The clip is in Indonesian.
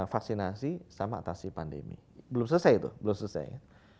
vaksinasi sama atasi pandemi belum selesai itu belum selesai kan